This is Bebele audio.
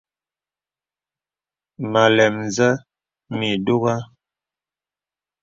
Mə alɛm zə̀ mì dùgha.